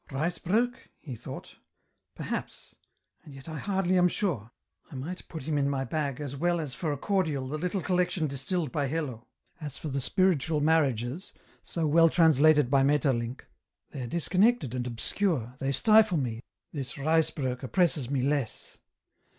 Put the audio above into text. " Ruysbrock ?" he thought —" perhaps, nd yet I hardly am sure — I might put him in my bag as well as for a cordial the little collection distilled by Hello ; as for the Spiritual Marriages, so well translated by Maeterlinck, they are disconnected and obscure, they stifle me, this Ruysbrock oppresses me less.